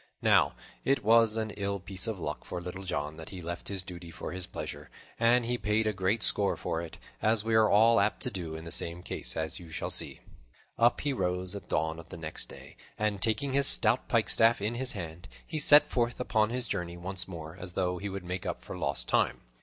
Now it was an ill piece of luck for Little John that he left his duty for his pleasure, and he paid a great score for it, as we are all apt to do in the same case, as you shall see. Up he rose at the dawn of the next day, and, taking his stout pikestaff in his hand, he set forth upon his journey once more, as though he would make up for lost time.